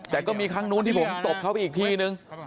แต่ก็มีครั้งนู้นที่ผมตบเขาไปอีกทีนึง